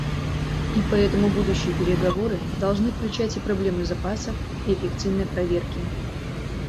И поэтому будущие переговоры должны включать и проблему запасов и эффективной проверки.